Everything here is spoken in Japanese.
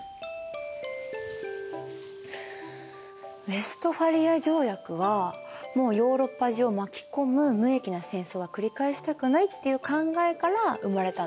ウェストファリア条約はもうヨーロッパ中を巻き込む無益な戦争は繰り返したくないっていう考えから生まれたんですよね。